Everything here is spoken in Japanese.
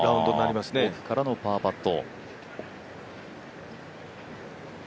奥からのパーパット。